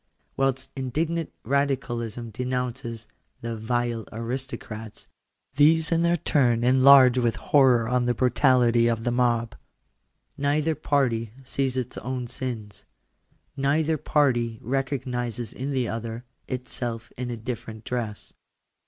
Whilst indignant Radicalism denounces " the vile aristocrats," these in their turn enlarge with horror on the brutality of the mob. Neither party sees its own sins. Neither party recognises in the other, itself in a different dress.